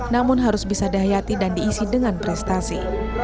namun harus bisa dihayati dan diisi dengan prestasi